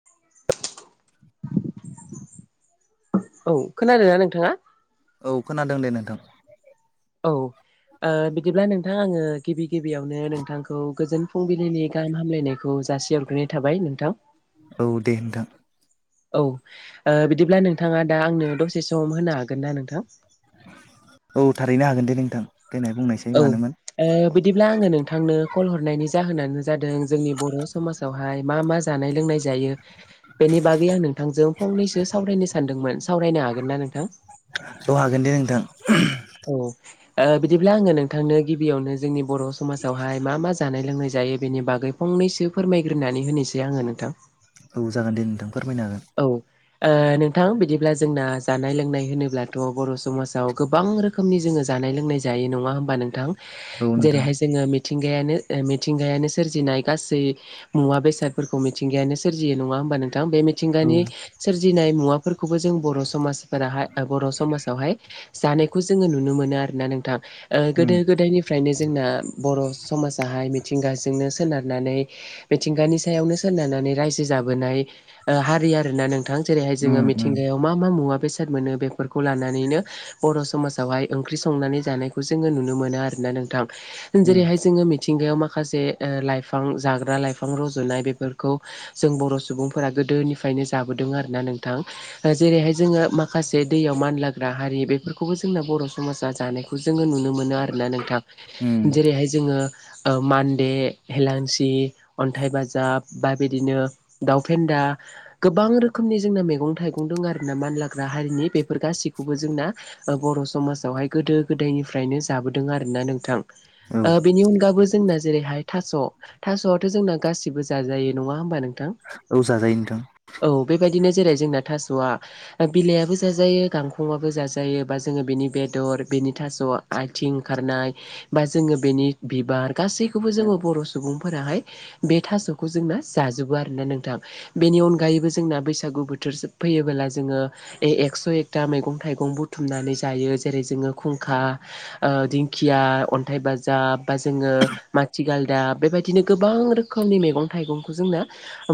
[inaudible] औ खोनादों ना नोंथाङा? औ खोनादों दे नोंथां। औ ओ बिदिब्ला नोंथां आङो गिबि गिबियावनो नोंथांखौ गोजोन फुंबिलिनि गाहाम हामलायनायखौ जासे हरग्रोनाय थाबाय नोंथां। औ दे नोंथां औ ओ बिदिब्ला नोंथाङा दा आंनो दसे सम होनो हागोन ना नोंथां? औ थारैनो हागोन दे नोंथां देनाय बुंनायसै औ मानोमोन ओ बिदिब्ला आङो नोंथांनो कल हरनायनि जाहोनानो जादों जोंनि बर' समाजाव हाय मा मा जानाय लोंनाय जायो। बेनि बागै आं नोंथांजों फंनैसो सावरायनो सानदोंमोन सावरायनो हागोन ना नोंथां औ हागोन दे नोंथां। औ बिदिब्ला आङो नोंथांनो गिबियावनो जोंनि बर' समाजावहाय मा मा जा जानाय लोंनाय जायो बेनि बागै फंनैसो फोरमायग्रोनानै होनोसै आङो नोंथां। औ जागोन दे नोंथां फोरमायनो हागोन। औ नोंथां बिदिब्ला जोंना जानाय लोंनाय होनोब्लाथ' बर' समाजाव गोबां रोखोम खौनि जोङो जानाय लोंनाय जायो नंङा होमबाथ नोंथां औ नोंथां जेरैहाय जोंङो मिथिंगायानो ओ मिथिंगायानो सोरजिनाय गासै मुवा बेसादफोरखौ मिथिंगायानो सोरजियो नङा होमबा नोंथां बे मे औ मिथिंगानि सोरजिनाय मुवाफोरखौबो जों बर' समाजफोराहाय बर' समाजावहाय जानायखौ जोङो नुनो मोनो आर ना नोंथां उम गोदो गोदायनि फ्रायनो जोंना बर' समाजाहाय मिथिंगाजोंनो सोनारनानै मिथिंगानि सायावनो सोनारनानै रायजो जाबोनाय हारि ओ आरोना नोंथां जेरैहाय उम जोङो उम मिथिंगायाव मा मा मुवा बेसाद मोनो बेफोरखौ लानानैनो' बर' सम समाजावहाय ओंख्रि संनानै जानायखौ जोङो नुनो मोनो आरैना नोंथां। उम जेरैहाय जोङो मिथिंगायाव माखासे लाइफां जाग्रा लाइफां रज'नाय बेफोरखौ जों बर' सुबुंफोरा गोदोनिफ्रायनो जाबोदों आरोना नोंथां। जेरैहाय जोङो माखासे दैयाव मानलाग्रा हारि बेफोरखौ बो जोंना बर' समा जानायखौ जोङो नुनो मोनो आरोना नोंथां उम जेरैहाय जोङो मान्दे, हेेलांसि, अन्थाइ बाजाब बा बिदिनो दाउ फेदा गोबां रोखोमनि जोंना मैगं थाइगं दं आरो ना मानलाग्रा हारिनि बेफोर गासैखौबो जोंना बर' समाजावहाय गोदो गोदायनिफ्रायनो जाबोदों आर ना नोंथां औ ओ बेनि अनगाबो जोंना जेरैहाय थास' थास'आथ' जोंना गासिबो जाजायो नङा होमबा नोंथां औ जाजायो नोथां औ बेबायदिनो जेरै जोंना थास'आ बिलाइयाबो जाजायो गांखंआबो जाजायो बा जोङो बेनि बेदर बेनि थास' आथिं ओंखारनाय बा जोङो बेनि बिबार गासैखौबो जोङो बर' सुबुंफोराहाय बे थास'खौ जोंना जाजोबो आरोना नोंथां। बेनि अनगायैबो जोंना बैसागु बोथोर फैयोबोला जोङो एकस' एकथा मैगं-थाइगं बुथुमनानै जायो। जेरै- जोङो खुंखा दिंखिया, अन्थाइ बाजाब, बा जोङो माथिगालदाब। बे बायदिनो गोबां रोखोम रोखोमनि मैगं-थाइगंखौ जोंना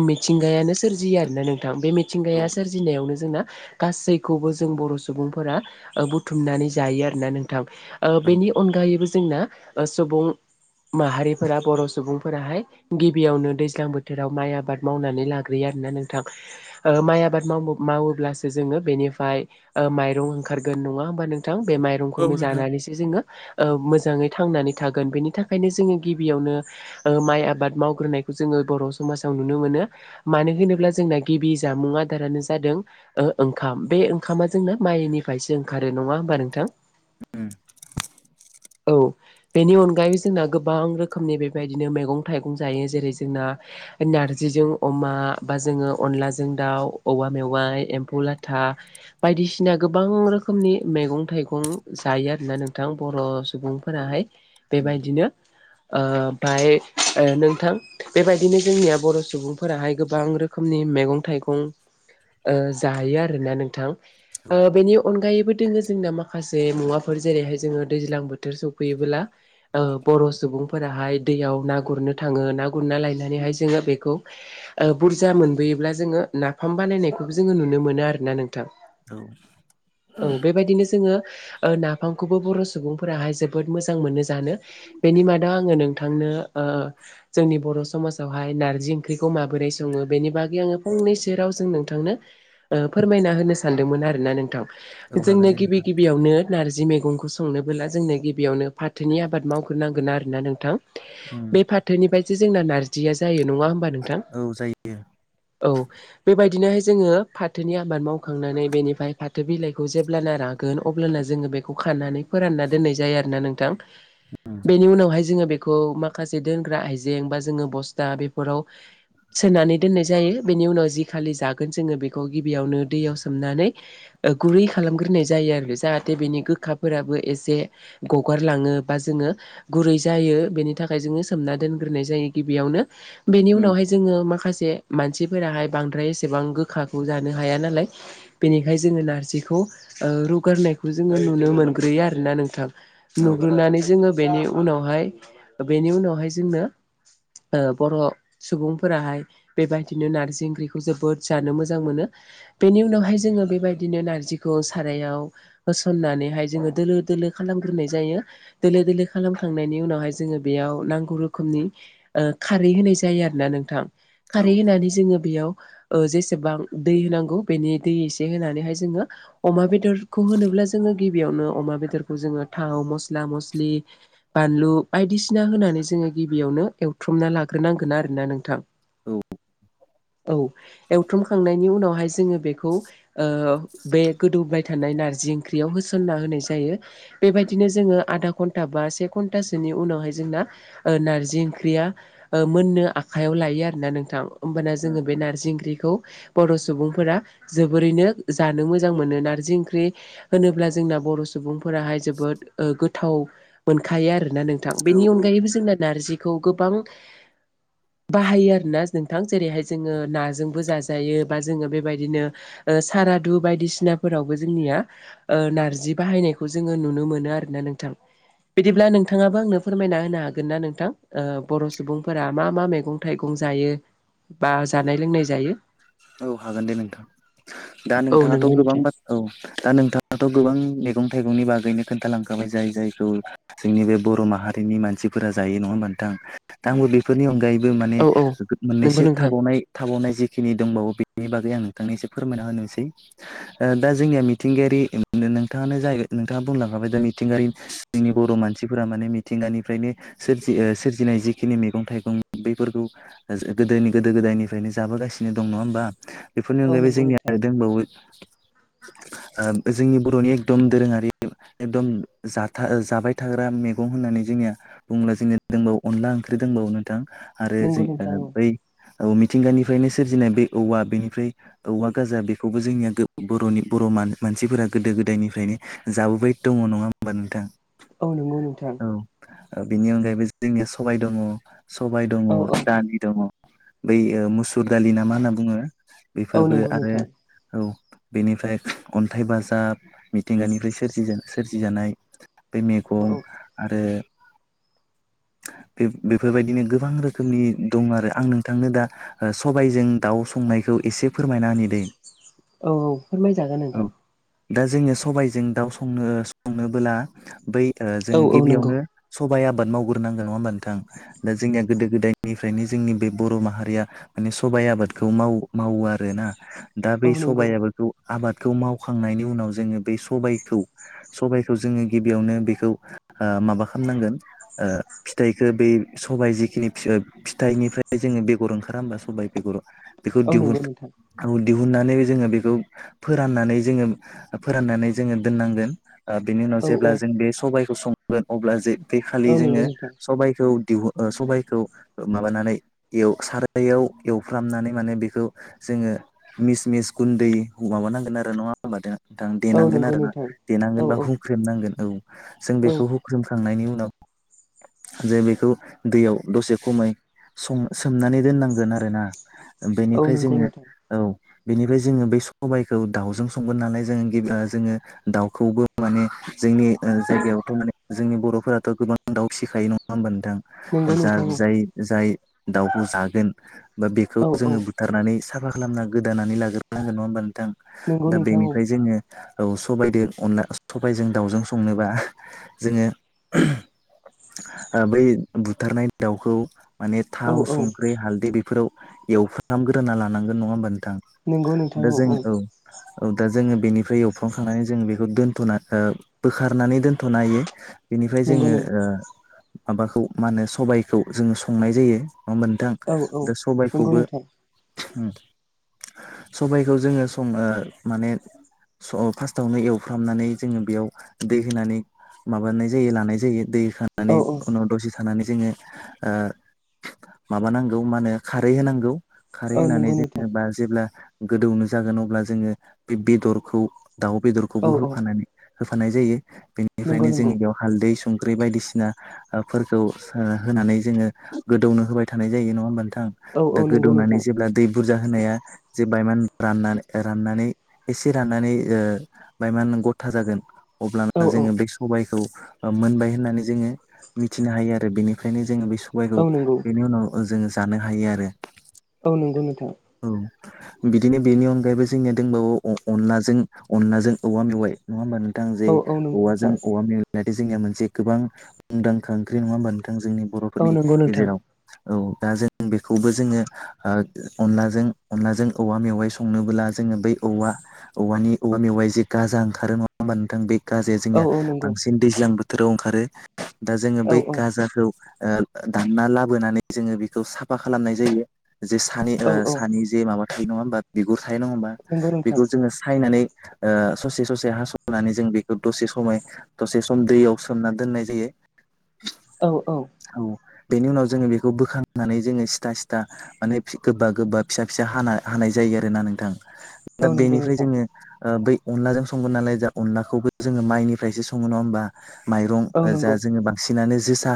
मिथिंगायानो सोरजियो आरोना नोंथां। बे औ मिथिंगाया सोरजिनायावनो जोंना गासैखौबो जों बर' सुबुंफोरा बुथुमनानै जायो आरोना नोंथां। औ बेनि अनगायैबो जोंना सुबुं माहारिफोरा बर' सुबुंफोराहाय गिबियावनो दैज्लां बोथोराव माइ आबाद मावनानै लाग्रोयो आरोना नोंथां। माइ आबाद माव मावोब्लासो जोङो बेनिफ्राय माइरं ओंखारगोन नङा होमबा नोंथां। बे औ माइरंखौनो नोंथां जानानै सो जोङो मोजाङै थांनानै थागोन। बेनि थाखायनो जोङो गिबियावनो माइ आबाद मावग्रोनायखौ जोङो बर' समाजाव नुनो मोनो। मानो होनोब्ला जोंना गिबि जामुं आदारानो जादों- ओंखाम। बे ओंखामा जोंनो माइनिफ्रायसो ओंखारो नङा होनबा नोंथां। उम औ। बेनि अनगायैबो जोंना गोबां रोखोमनि बे बायदिनो मैगं-थाइगं जायो। जेरै- जोंना नारजिजों अमा, बा जोङो अनलाजों दाउ, औवा मेवाइ एम्फौ लाथा, बायदिसिना गोबां रोखोमनि मैगं-थाइगं जायो आरोना नोंथां बर' सुबुंफोराहाय। बे उम बायदिनो ओमफ्राय नोंथां बे बायदिनो जोंनिया बर' सुबुंफोराहाय गोबां रोखोम रोखोमनि मैगं-थाइगं जयो आरोना नोंथां। बेनि अनगायैबो दोङो जोंना माखासे मुवाफोर। जेरैहाय जोङो दैज्लां बोथोर सफैयोब्ला बर' सुबुंफोराहाय दैयाव ना गुरनो थाङो ना गुरना लायनानैहाय जोङो बेखौ बुरजा मोनबोयोब्ला जोङो नाफाम बानायनायखौबो जोङो नुनो मोनो आरोना नोंथां। औ औ बे बायदिनो जोङो नाफामखौबो बर' सुबुंफोराहाय जोबोद मोजां मोनो जानो। बेनि मादाव आङो नोंथांनो जोंनि बर' समाजावहाय नार्जि ओंख्रिखौ माबोरै सङो। बेनि बागै आङो फंनैसो राव जों नोंथांनो फोरमायना होनो सानदोंमोन आरोना नोंथां। औ हागोन जोंनो दे गिबि नोंथां गिबियावनो नारजि मैगंखौ संनोबोला जोंनो गिबियावनो फाथोनि आबाद मावग्रोनांगोन आरोना नोंथां। उम बे फाथोनिफ्रायस जोंना नारजिया जायो नङा होमबा नोंथां। औ जायो औ बे बायदिनोहाय जोङो फाथोनि आबाद मावखांनानै बेनिफ्राय फाथो बिलाइखौ जेब्लाना रागोन अब्लाना जोङो बेखौ खानानै फोरानना दोननाय जायो आरोना नोंथां। उम बेनि उनावहाय जोङो बेखौ माखासे दोनग्रा आइजें बा जोङो बस्था बेफोराव सोनानै दोननाय जायो। बेनि उनाव जि खालि जागोन जोङो बेखौ गिबियावनो दैयाव सोम नानै गुरै खालामग्रोनाय जायो आरो। जाहाथे बेनि गोखाफोराबो एसे गगारलाङो बा जोङो गुरै जायो। बेनि थाखाय जोङो सोमना दोनग्रोनाय जायो गिबियावनो बेनि उम उनावहाय जोङो माखासे मानसिफोराहाय बांद्राय एसेबां गोखाखौ जानो हाया नालाय बेनिखायनो जोङो नारजिखौ रुगारनायखौ जोङो नुनो मोनग्रोयो आरोना नोंथां। औ नुग्रोनानै जोङो बेनि उनावहाय बेनि उनावहाय जोंनो बर' सुबुंफोराहाय बेबायदिनो नारजि ओंख्रिखौ जोबोद जानो मोजां मोनो। बेनि उनावहाय जों जोङो बे बायदिनो नारजिखौ सारायाव होसननानैहाय जोङो दोलो दोलो खालामग्रोनाय जायो। दोलो दोलो खालामखांनायनि उनावहाय जोङो बेयाव नांगौ रोखोमनि खारै होनाय जायो आरोना नोंथां। औ खारै औ होनानै जोङो बेयाव जेसेबां दै होनांगौ बेनि दै एसे होनानैहाय जोङो अमा बेदरखौ होनोब्ला जोङो गिबियावनो अमा बेदरखौ जोङो थाव मस्ला मस्लि बानलु बायदिसिना होनानै जोङो गिबियावनो एवथ्रमना लाग्रोनांगोन आरोना नोंथां। औ। औ। एवथ्रमखांनायनि उनावहाय जोङो बे बे गोदौबाय थानाय नारजि ओंख्रियाव होसनना होनाय जायो। बेबायदिनो जोङो आधा घन्टा बा से घन्टासोनि उनावहाय जोंना नारजि ओंख्रिया मोननो आखाइयाव लायो आरोना नोंथां। होमबाना उम जोङो बे उम नारजि ओंख्रिखौ बर' सुबुंफोरा जोबोरैनो जानो मोजां मोनो। नारजि ओंख्रि होनोब्ला जोंना बर' सुबुं फोराहाय जोबोद गोथाव मोनखायो आरोना नोंथां। औ बेनि औ अनगायैबो जोंना नारजि खौ गोबां बाहायो आरोना नोंथां। जेरैहाय जोङो नाजोंबो जाजायो बा जोङो बेबायदिनो सारादु बायदिसिनाफोरावबो जोंनिया नार्जि बाहायनायखौ जोङो नुनो मोनो आरो ना नोंथां। बिदिब्ला नोंथाङाबो आंनो फोरमायना होनो हागोन ना नोंथां? ओ बर' सुबुंफोरा मा मा मैगं थाइगं जायो? बा जानाय लोंनाय जायो‌‍‌‌? औ हागोन दे नोंथां। दा औ नोंथाङाथ' नंगौ गोबां नोंथां बाथ्रा औ दा नोंथाङाथ' गोबां मैगं थाइगंनि बागैनो खोन्थालांखाबाय जाय जायखौ जोंनि बे बर' माहारिनि मानसिफोरा जायो नङा होनबा नोंथां? दा आंबो बेफोरनि अनगायैबो माने औ औ नंगौ मोननैसो नोंथां नाय थाबावनाय जिखिनि दंबावो बेनि बागै आं नोंथांनो एसे फोरमायना होनोसै। दा जोंनिया मिथिंगायारि, नोंथाङानो जाय-नोंथाङा बुंलांखाबाय दा मिथिंगायारि जोंनि बर' मानसिफोरा माने मिथिंगानिफ्रायनो सोरजि-सोरजिनाय जिखिनि मैगं थाइगं बैफोरखौ गोदोनि गोदो गोदायनिफ्रायनो जाबोगासिनो दं नङा होमबा? बेफोरनि औ अनगायैबो नंगौ जोंनिया नोंथां आरो दंबावो जोंनि बर'नि एकदम दोरोङारि एकदम जाबाय थाग्रा मैगं होननानै जोंनिया बुंब्ला जोंनिया दंबावो अनला ओंख्रि दंबावो नोंथां। आरो नंगौ नोंथां जोंनिय औ बै औ। मिथिंगानिफ्रायनो सोरजिनाय बे औवा, बेनिफ्राय औवा गाजा बेखौबो जोंनिया बर'नि बर' मानसिफोरा गोदो गोदायनिफ्रायनो जाबोबाय दङ नङा होमबा नोंथां! औ नंगौ नोंथां। बेनि अनगायैबो जोंनिया सबाय दङ, सबाय दङ, औ औ दालि दङ। बै मुसुर दालि ना मा होनना बुङो? औ बेफोरबो नंगौ आरो नोंथां औ। बेनिफ्राय अन्थाइ बाजाब मिथिंगानिफ्राय सोरजिजानाय माया औ मैं औ आरो बेफोरबायदिनो गोबां रोखोमनि दं आरो। आं नोंथांनो दा सबायजों दाउ संनायखौ एसे फोरमायना दैे। औ औ फोरमायजागोन नोंथां। दा जोङो सबायजों दाउ संनो-संनोबोला बै औ जोङो औ नंगौ गिबियावनो सबाइ आबाद मावग्रोनांगोन नङा होमबा नोंथां? दा जोंनिया गोदो गोदायनिफ्रायनो जोंनि बे बर' माहारिया माने सबाइ आबादखौ माव-मावो आरोना। दा बै औ नंगौ सबाइ आबाद आबादखौ मावखांनायनि उनाव जोङो बे सबायखौ सबायखौ जोङो गिबियावनो बेखौ माबा खालामनांगोन फिथाइखौ बे सबाइ जिखिनि फिथाइनिफ्राय फ्राय जोङो बेगर ओंखारा होमबा सबाय बेगर? बेखौ औ दिहुन नंगौ नोंथां औ दिहुननानै जोङो बेखौ फोराननानै जोङो-फोराननानै जोङो दोननांगोन। बेनि उनाव औ जेब्ला जों बे सबाइखौ संगोन अब्ला जे बे औ खालि नंगौ जोङो नोंथां सबाइखौ दिहुन सबायखौ माबानानै सारायाव एवफ्रामनानै माने बेखौ जोङो मिस मिस गुन्दै माबानांगोन आरो। नङा द नोंथां औ देनांगोन नंगौ आरो ना नोंथां औ देनांगोन बा औ हुख्रेमनांगोन औ जों औ बेखौ हुख्रोमखांनायनि उनाव जे बेखौ दैयाव दसे खमाय स-सोमनानै दोननांगोन आरोना औ बेनिफ्राय नंगौ जोङो नोंथां औ बेनिफ्राय जोङो बै सबायखौ दाउजों संगोन नालाय जोङो गि जोङो दाउखौबो माने जोंनि ओ जायगायावथ' माने जोंनि बर'फोराथ' गोबां आं दाउ सिखायो नङा होनबा नोंथां नंगौ जा नोंथां जाय जाय दाउखौ जागोन बा बेखौ औ औ जोङो थारनानै साफा खालामना गोदानानै लाग्रोनांगोन नङा होमबा नोंथां नंगौ दा नोंथां बेनिफ्राय जोङो औ सबाइजों अनला सबायाइजों दाउजों संनोबा जोङो बै बुथारनाय दाउखौ माने औ थाव औ संख्रि हालदै बेफोराव एवफ्रामग्रोना लानांगोन नङा होमबा नोंथां दा जोङो औ औ दा जोङो बेनिफ्राय एवफ्रांखांनानै जोङो बेखौ दोनथ'ना ओ बोखारनानै दोनथ'नो हायो बेनिफ्राय ओ नंगौ जोङो नंगौ माबाखौ मा होनो सबायखौ जोङो संनाय जायो नङा होनबा नोंथां औ दा औ नंगौ सबायखौबो नोंथां सबायखौ जोङो सं माने फार्स्टआवनो एवफ्रामनानै जोङो बेयाव दै होनानै माबानाय जायो लानाय जायो दैखानानै औ औ उनाव दसे थानानै जोङो ओ माबानांगौ मा होनो खारै होनांगौ खारै औ होनानै नंगौ नोंथां जोङो बा जेब्ला गोदौनो जागोन अब्ला जोङो बे बेदरखौ दाउ औ बेदरखौबो औ होफानानै होफानाय जायो नंगौ बेनिफ्रायनो नंगौ जोंनि बेयाव हालदै संख्रि बायदिसिनाफोरखौ हो-होनानै जोङो गोदौनो होबाय थानाय जायो नङा होमबा नोंथां औ औ दा नंगौ गोदौनानै नोंथां जेब्ला दै बुरजा होनाया जे बायमान रान-राननानै राननानै एसे राननानै ओ बायमान गथा जागोन औ अब्लाना औ जोङो [unintelligible] सबायखौ मोनबाय होननानै जोङो मिथिनो हायो आरो बेनिफ्रायनो जोङो बे सबाय नोंगौ बेनि उनाव जोङो जानो हायो आरो औ नंगौ नोंथां औ बिदिनो बेनि अनगायैबो जोंनिया दंबावो अनलाजों अनलाजों औवा मेवाइ नङा होमबा नोंथां जे औ औ नंगौ औवाजों नोंथां औवा मे जाहाथे जोंनि मोनसे गोबां मुंदांखा ओख्रि नङा होमबा नोंथां जोंनि औ बर'फोरनि नंगौ नोंथां गेजेराव औ दा जों बेखौबो जोङो ओ अनलाजों अनलाजों औवा मेवाइ संनोबोब्ला जोङो बै औवा औवानि औवा मेवाय जे गाजा ओंखारो नङा होमबा नोंथां बे गाजाया औ जोंनिया औ नंगौ बांसिन दैज्लां बोथोराव ओंखारो दा जोङो औ बै गाजाखौ ओ दानना लाबोनानै जोङो बेखौ साफा खालामनाय जायो जे सानि औ औ सानि जे माबा थायो नङा होमबा बिगुर थायो नङा होमबा नंगौ नोंथां बेखौ जोङो सायनानै ओ ससे ससे हास'नानै जों बेखौ दसे समाय दसे सम दैयाव सोमना दोननाय जायो औ औ औ बेनि उनाव जोङो बेखौ बोखांनानै जोङो सिथा सिथा माने गोबा गोबा फिसा फिसा हाना हानाय जायो आरोना नोंथां औ दा नंगौ बेनिफ्राय नोंथां जोङो ओ बै अनलाजों संगोन नालाय जा अनलाखौबो जोङो माइनिफ्रायसो सङो नङा होनोमबा माइरं औ जा नंगौ जोङो बांसिनानो जोसा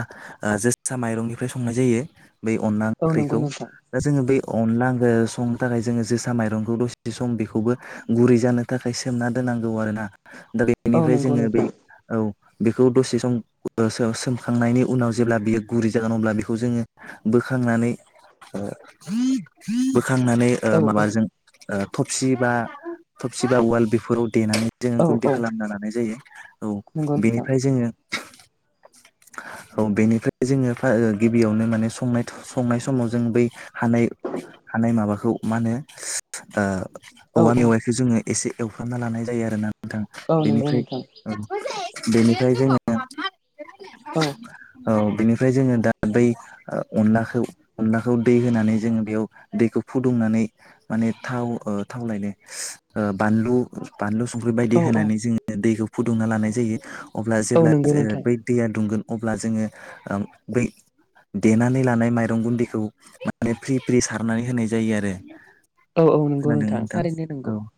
जोसा माइरंनिफ्राय संनाय जायो बै अनला औ नंगौ ओंख्रिखौ नोंथां दा जोङो बेै अनला संनो थाखाय जोङो जोसा माइरंखौ दसे सम बेखौबो गुरै जानो थाखाय सोमना दोननांगौ आरो ना दा औ बेनिफ्राय नंगौ जोङो बे नोंथां औ बेखौ दसे सम सोमखांनायनि उनाव जेब्ला बियो गुरै जागोन अब्ला बेखौ जोङो बोखांनानै ओ बोखांनानै ओ औ माबाजों। ओ थफसि बा थबसि बा वाल बेफोराव देनानै। औ जोङो औ गुदि खालामना लानाय जायो औ नंगौ नोंथां बेनिफ्राय जोङो। औ बेनिफ्राय जोङो फा ओ गिबियावनो माने संनायथ संनाय समाव जो जों बै हानाय-हानाय माबाखौ मा होनो ओ औ औवा औ मेवाइखौ जोङो एसे एवफ्रना लानाय जायो आरोना नोंथां औ नंगौ बेनिफ्राय नोंथां बेनिखाय जोङो औ औ बिनिफ्राय जोङो दा बै ओ अनलाखौ। अनलाखौ दै होनानै जोङो बेयाव दैखौ फुदुंनानै। माने थाव ओ थाव लायनो ओ बानलु। बानलु संख्रि बायदि औ औ होनानै जोङो दैखौ फुदुंना लानाय जायो अब्ला औ जेब्ला नंगौ जो ओ नोंथां बै दै दुंगोन अब्ला जोङो ओ बै देनानै लानाइ माइरं गुन्दै शखौ माने फ्रि-फ्रि सारनानै होनाय जायो आरो। औ औ नंगौ खोनादोंना नोंथां? थारैनो नंगौ औ।